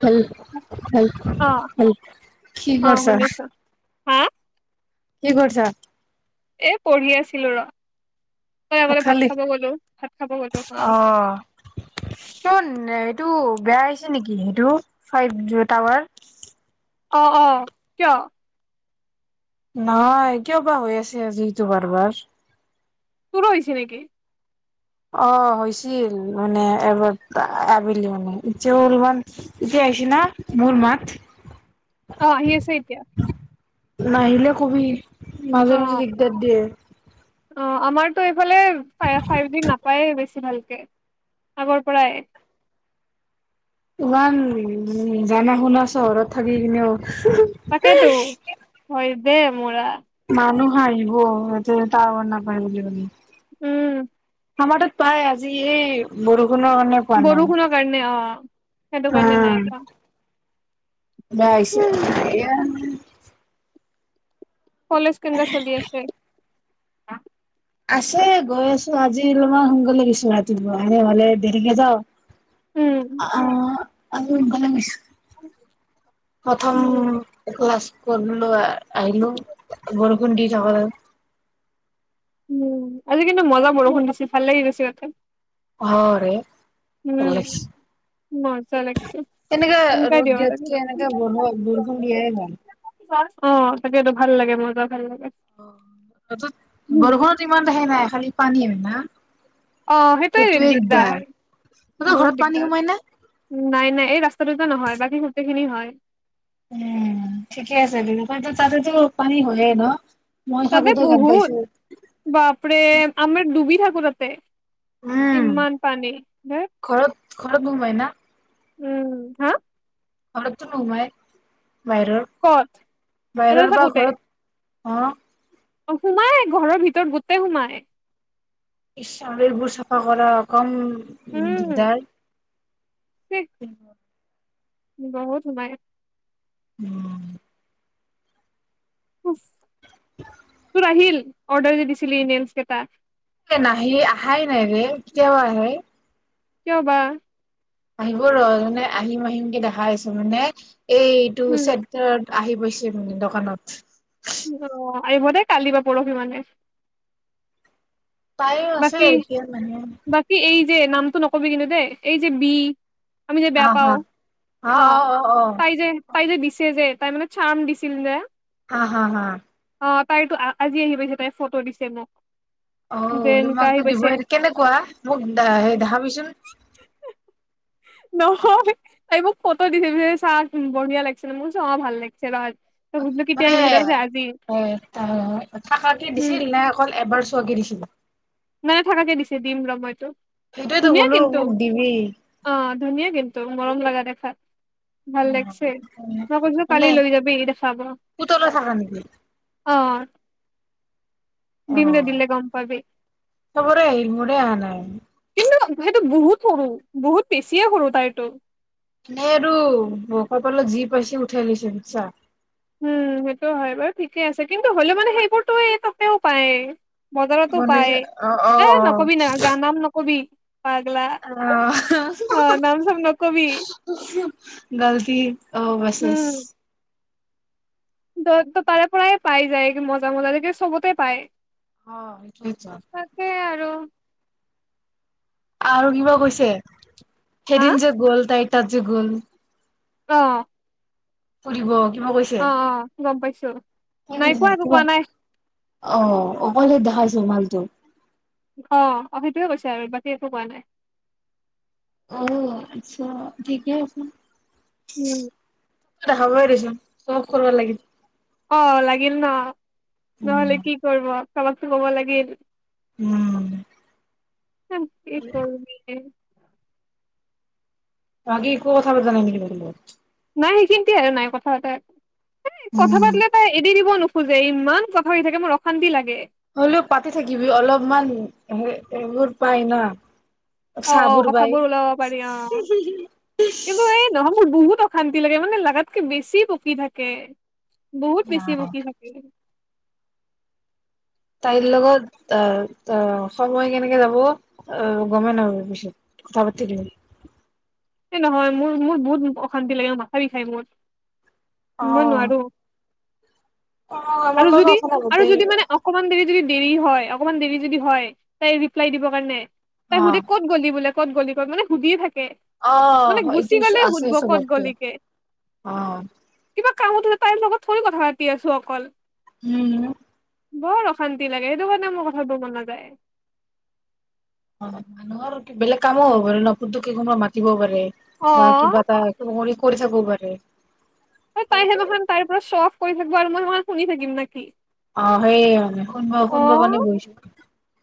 হেল- হেল অ - হেল কি অ কৰিছা। শুনিছো হা কি কৰিছা। এ পঢ়ি আছিলো ৰ। তই ভাত আগতে খালি খাব গলো ভাত খাব গলো অ'। তো বেয়া আহিছে নেকি সেইটো ফাইভ জি টাৱাৰ। অ - অ -কিয়। নাই কিয় বা হৈ আছে আজিটো বাৰ বাৰ। তোৰ হৈছে নেকি। অ হৈছিল মানে এবাৰ আবেলি মানে এতিয়া অলপমান এতিয়া আহিছে না মোৰ মাত। অ'আহি আছে এতিয়া। নাহিলে কবি। অ মাজে মাজে বিগদাৰ দিয়ে। অ 'আমাৰতো। এফালে ফাইভ জি নাপায় বেছি ভাল। আগৰ পৰাই। ইমান উম' জানা শুনা চহৰত থাকি কিনেও। তাকেইটো, হয়। দে মোৰা। মানুহ হাঁহিব এয়াতে টাৱাৰ নাপায় বুলি পেলাই। উম। আমাৰ তাত পাই আজি এই বৰষ বৰষুণৰ কাৰণে অ', সেইটো কাৰণে নাই পোৱা। এতিয়া আইছে। কলেজ কেনেকা চলি আছে? আছে গৈ আছোঁ, আজি অলপমান সোনকালে গেছো ৰাতিপুৱা এনেহ'লে দেৰিকে যাওঁ। উম অহ, আফালে গৈছো উম প্ৰথম ক্লাছ ক'লোয়ে। আহিলোঁ বৰষুণ দি থাকোতে। উম, আজি কিন্তু মজা বৰষুণ দিছে ভাল লাগি গৈছে এয়াতে। হয়, ৰে। মজা [unintelligible] লাগছে এনেকে সেনেকাই ৰ'দ দিব দিয়াত লাগে। কে এনেকে বৰ বৰষুণ দিয়াই ভাল। অহ'। তাকেতো ভাল লাগে মজা ভাল লাগে। অ'। বৰষুণত ইমান এটা হেই নাই খালি পানী হয় না। অ'। সেইটোয়ে দিগদাৰ। তহঁতৰ ঘৰত বহুত পানী দিগদাৰ। সোমাই নে? নাই, নাই এই ৰাস্তাটোতে নহয়। বাকী গোটেইখিনি হয় উম'। উম'। ঠিকে আছে দে। তাতেতো পানী হয়ে ন। মই ততে থাকোতে গম বহুত। পাইছো বাপৰে আমাৰ ডুবি থাকোঁ পুতাতে। উম'। ঘৰত ঘৰত সোমাই না। উম। হা ঘৰত টো নোসোমাই। বাহিৰৰ। ক'ত তাতে বাহিৰৰ বা থাকোতে ঘৰত আহ'। অ' সোমাই ঘৰৰ ভিতৰত গোটেই সোমায়। এছ আৰু এইবোৰ চাফা কৰা কম উম দিগদাৰ ছিঃ [unintelligible] বহুত সোমাই। উম'। উফ। তোৰ আহিল অৰ্ডাৰ যে দিছিলে ইণ্ডিয়ানছ কেইটা। ন, আহা নাই ৰে। কেতিয়া বা আহে। কিয় বা। আহিব ৰ। মানে আহিম, আহিম কি দেখা আছে মানে এইটো উম চেটাৰ আহি পৈছে মানে দোকানত। [unintelligible] আহিবদে কালি বা পৰসি মানে। পাই আছে বাকী এতিয়া মানে। বাকী এই যে নামটো নক'বি কিন্তু দেই এই যে বি আমি যে হা বেয়া হা পাওঁ অ', তাই যে তাই যে দিছে যে। তাই মানে চাৰ্ম দিছিল নে। হা, হা, হা। অ', তাইটো আ, আজি আহি পাইছে তাই ফটো দিছে মোক। যে অ', এনেকুৱা আহি তোমাকটো পাইছে দিবই কেনেকুৱা মোক হে দেখাবিচোন। নহয়ো এই মোক ফটো দিছে পিছে চা বঢ়িয়া লাগিছে ন মোৰ চা ভাল লাগিছে ৰ ত সুধলো কেতিয়া মানে আহিবি, তাই কৈছে আজি। এ তা থাকা কি উম দিছিল নে আকৌ এবাৰ স্ব [unintelligible] নাই, নাই থাকে দিছে দিম ৰ মইতো। সেইটোৱেতো ক'লো মোক দিবি ত' মৰম লগা দেখাত ভাল অ লাগছে, মই কৈছো কালি মানে লৈ যাবি এৰি দেখাব পুতলা থাকা নেকি অ'। দিম দে অ' দিলে গম পাবি। চবৰে আহিল, মোৰে আহা নাই সিটো বহুত সৰু, বহুত বেছিয়ে সৰু তাইৰটো। সৰু [unintelligible] যি পাইছে উঠাই আনিছে চা। উম, সেইটো হয় বাৰু ঠিকে আছে। কিন্তু হ'লেও মানে সেইবোৰতো এই তাতেও পায়। বজাৰতো পায় বনজে অ অ এ অ নকবি না নাম নকবি। পাগলা আহ অ' নাম চাম নকবি। গলতি। অহ উম, বছ-বছ। ত' তাৰে পৰাই পাই যায়, মজা-মজা যে চবতে পায়। অ' কেইজন। তাকে আৰু আৰু কিবা কৈছে হা সেইদিন যে গ'ল তাইৰ। তাত যে গ'ল। অহ। ফুৰিব। কিবা কৈছে? অ', -অ' গম পাইছো। ট'। কি নাই কৈছে কোৱা, একো কিবা কোৱা নাই। অ' অকলে দেখাইছে মালটো। অ', -অ' সেইটোৱে কৈছে আৰু বাকী একো কোৱা নাই। অ' আচ্ছা ঠিকে আছে। উম'। দে হাবই দেচোন [unintelligible] কৰিব লাগিল। অ' লাগিল ন। উম। নহ'লে কি কৰব। কাবাকতো ক'ব লাগিল। উম'। হ এই গ'ল [unintelligible] [inaudible] বাকি একো কথা পতা নাই নেকি তই? নাই সেইখিনিতে আৰু নাই কথা পাতা। এই কথা উম পাতিলে তাই এৰি দিব নুখ খোজে ইমান কথা কৈ থাকে মোৰ অশান্তি লাগ হ'লেও পাতি থাকিবি অলপমান হে এইবোৰ পাই না। অ'- অ', চাহবোৰ কথাবোৰ ওলাব পাৰি অ', পাই কিন্তু এই নহয় মোৰ বহুত অ শান্তি লাগে মানে লাগাতকে বেছি বকি থাকে। বহুত বেছি বকি থাকে। তাইৰ লগত আ-আ সময় কেনেকে যাব গমে পিছত কথা পাতিলে। এ নহয় মোৰ-মোৰ বহুত অশান্তি লাগে, মাথা বিখাই মোৰ। অ মই নোৱাৰো। অ আমাৰ আৰু লগত যদি- কথা আৰু নাপাতে যদি মানে অকমান দেৰি যদি দেৰি হয় অকণমান দেৰি যদি হয় তাই ৰিপ্লাই দিবৰ কাৰণে তাই অ। সুধে ক'ত গ'লি বোলে ক'ত গলি ক'ত মানে সুধিয়ে থাকে। অ', মানে এইটো গুচি গ'লে আছে সুধব ক'ত স্বভাৱটো গলিগে, অ', কিবা কামত [unintelligible] তাইৰ লগত থৰি কথা পাতি আছো অকল। উম। বৰ অশান্তি লাগে, সেইটো কাৰণে মোৰ কথা পাতিব মন নাযায়। অ', মানুহৰ কি বেলেগ কামো হ'ব পাৰে ন, [unintelligible] ন মাতিব পাৰে। অ বা কিবা এটা [unintelligible] কৰি থাকব পাৰে। তাই সেইনাখন তাই পোৰা শ্ব অফ কৰি বাৰু মই- মই শুনি থাকিম না কি। অ', সেইয় মানে শুনব অ -শুনব মানে বহিছো।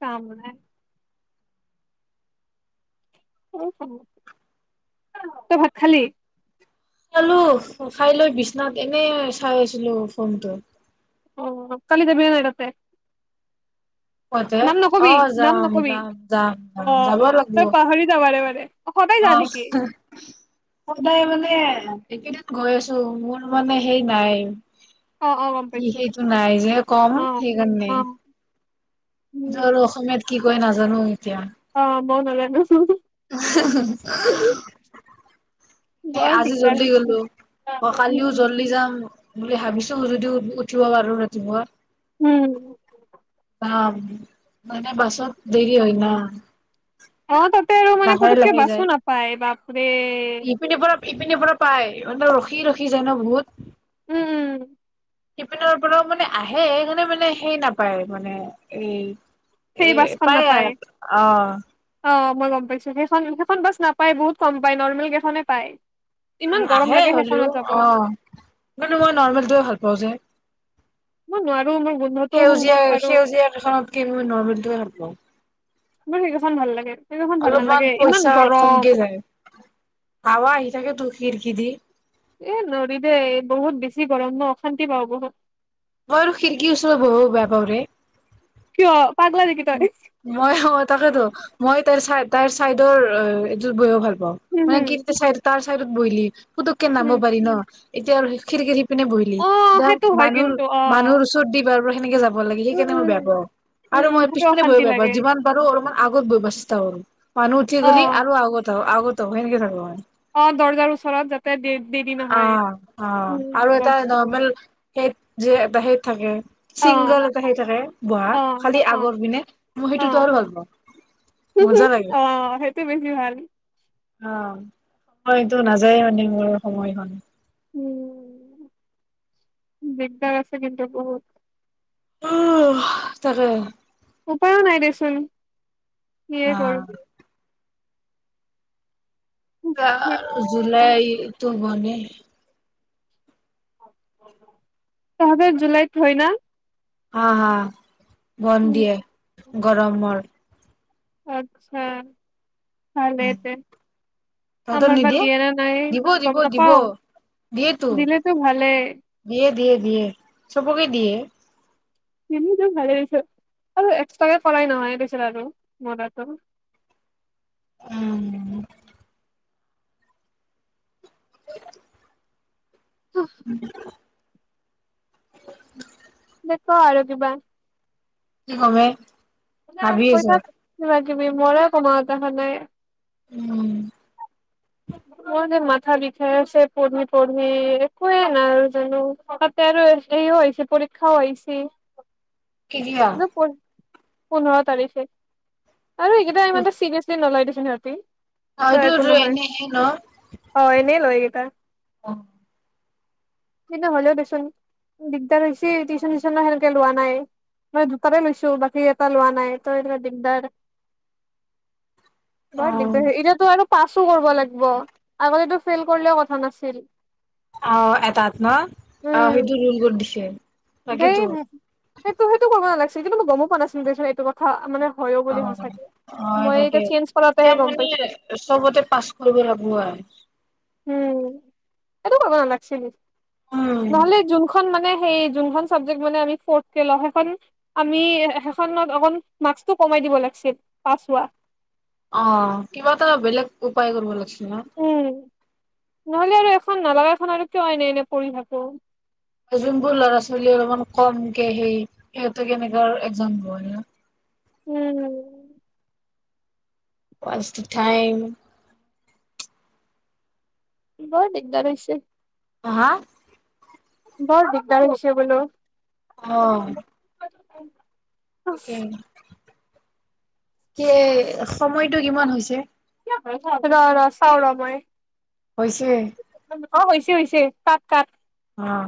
কাম নাই তই ভাত খালি। খালোঁ, খাই লৈ বিচনাত এনে চাই আছিলো ফোনটো। অ', কালি যাবি নে নাই তাতে। কওঁতে নাম নকবি- অ', নাম যাম নকবি, যাম যাম যাম অ', যাব লাগিব তই পাহৰি যা বাৰে-বাৰে। অ', সদায় মানে এইকেইদিন গৈ আছো মোৰ মানে সেই নাই। অ অ গম কি পাইছো সেইটো নাই যে কম অ সেইকাৰণে। অ জানো উম অসমীয়াত কি কয় নাজানো এতিয়া। অ', মও নাজানো। এ বৰ আজি দিগদাৰ জল্দি হৈছে গ'লো অ', কালিও উম জল্দি যাম। বুলি ভাবিছোঁ যদিও উঠিব পাৰোঁ ৰাতিপুৱা। উম। অ', মানে বাছত দেৰি হয় না। অ', তাত আৰু মানে লাহে পতাককে লাহে যায় বাছো নাপায়, বাপৰে। ইপিনীৰ পৰা পায়, ইহঁতৰ ৰখি ৰখি যায় ন বহুত। উম, উম। শিপিনৰ পৰা মানে আহে মানে মানে সেই নাপায় মানে এই। সেই এ বাছখন পায় নাপায়। আৰ অ'। অ', মই গম পাইছোঁ, সেইখন সেইখন বাছ নাপাই বহুত কম পায়, নৰ্মেল কেইখনে পায়। ইমান উম, গৰম আহে লাগে হ'লেও সেইখনত যাব অ', কিন্তু মই নৰ্মেলটোৱে ভাল পাওঁ যে। মই নোৱাৰ সেউজীয়া, সেউজীয়া এখনত কি নৰ্মেলটোৱে ভাল পাওঁ। মোৰ সেইকেইখন ভাল লাগে। সেইকেইখন ভাল অলপমান নালাগে ইমান পইচা গৰম। কমকে যায়, হাৱা আহি থাকেটো শিৰ কিদি এ নৰি দে বহুত বেছি গৰম ন, অশান্তি পাওঁ বহুত। মই খিৰিকীৰ ওচ বহু বেয়া পাওঁৰে। কিয়? পাগলা নেকি তই? মই অ', তাকেটো মই তাৰ চাই তাইৰ চাইদৰ অ', এইটোত বহিব ভাল উম, মানে হম, [unintelligible] চাইদৰ তাৰ চাইদত বহিলি পুতুককে নামব হম, পালি ন'। এতিয়া আৰু খিৰিকীদি পিনে বহিলি অ', দা সেইটো হয় মানুহ কিন্তু মানুহৰ অ'। ওচৰত দি বাৰ কেনেকে যাব লাগে উম, সেইকাৰণে মই বেয়া উম, পাওঁ আৰু উম, মই সেইটো পিছফালে বহি অশান্তি বেয়া পাওঁ, লাগে যিমান বাৰু এই গৰমত আগত বহিব চেষ্টা কৰো। মানুহ উঠি গ'লে অ'। আৰু আগত আহো আগত তো সেনেকে থকো মই। অ' দৰ্জাৰ ওচৰত যাতে দে দেৰি অ নহয় অ উ আৰু এটা গম পাইছো। নৰ্মেল সেই যে বাহে থাকে অ ছিংগল এটা সেই থাকে বহা অ খালি অ আগৰ মই অ সেইটোতো আৰু ভাল পাওঁ মজা লাগে আহ সেইটো বেছি ভাল। অ সময়তটো নাযায় মানে মোৰ সময়খন। উম দিগদাৰ আছে কিন্তু বহুত। উ তাকে। উপায়ও নাই দেচোন। কিহে অ কৰিবি। জুুলাই ত বনে তহঁত জুলাইত হয় না? হা হা বন্ধ দিয়ে। গৰমৰ আতছা ভালেই তহঁতৰ আমাৰ বা নিদিয়ে দিয়ে ন নাই দিব দিব গম দিব নাপাও দিয়েতো দিলেতো ভালেই দিয়ে দিয়ে দিয়ে চবকে দিয়ে এনেইটো ভালে আৰু এক্সট্ৰাকে কৰাই নহয় পিছত আৰু উম উম দে ক আৰু কিবা কি কম এ কৈ থাক কিবা কিবি মোৰে একো মূৰত আহা নাই উম। [unintelligible] মাথা বিষাই আছে পঢ়ি পঢ়ি একোৱে নাজানো তাতে আৰু এইও হৈছে পৰীক্ষাও আহিছি কেতিয়া? পোন্ধৰ তাৰিখে। আৰু এইকেইটা ইমান এটা চিৰিয়াছলি নলয় দেচোন সিহঁতি অ এইটোটো এনে হয় এনেই লয় এইকেইটা অ কিন্তু হ'লেও দেচোন টিউশ্যন চিউচনো লোৱা নাই মই দুটাতে লৈছো বাকী এটা লোৱা নাই ত দিগদাৰ বৰ দিগদাৰ এতিয়াতো আৰু পাছ -ছো কৰিব লাগ- ব আগতেটো ফেইল কৰিলেও কথা নাছিল। অ', এটাত ন', অ', উম। সেইটো ৰোল কৰি দিছে। তাকেতো [unintelligible] সেইটো কব নালাগ [unintelligible] এইটো কথা মানে হয়ও বুলি অ', সঁচাকে। অ', মই তাকে এতিয়া চেঞ্জ কৰাতেহে এতিয়া গম মানে পাইছো চবতে পাছ কৰিব লাগিব আৰু। উম, এইটো কৰিব নালাগিছিল। উম নহ'লে যোনখন মানে সেই যোনখন চাবজেক্ট মানে আমি ফোৰ্ট কে ল'ম সেই খন আমি সেইখনত অকন মাকচটো কমাই দিব লাগছিল পাছ হোৱা। অ, কিবা এটা বেলেগ উপায় কৰিব লাগছে ল ন উম [unintelligible] নহলে আৰু এখন নালাগা খন আৰু কিয় এনে - এনে পঢ়ি থাকো। যোনবোৰ ল'ৰা ছোৱালী অলপমান কমকে সেই সিহঁতে কেনেকুৱা একজাম হয় ন। উম, ফাৰ্ষ্ট টাইম। বৰ দিগদাৰ হৈছে। হা- হা? বৰ দিগদাৰ হৈছে বোলো। অহ', এক [unintelligible] উম। সে সময়টো কিমান হৈছে? [unintelligible] ৰ ৰ চাও ৰ মই হৈছে অ। হৈছে- হৈছে কাট কাট। অঁ।